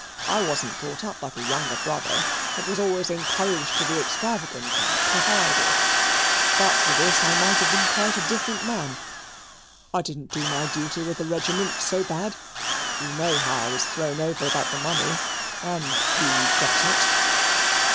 I wasn't brought up like a younger brother, but was always encouraged to be extravagant and kep idle. But for this I might have been quite a different man. I didn't do my duty with the regiment so bad. You know how I was thrown over about the money, and who got it."